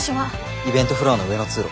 イベントフロアの上の通路。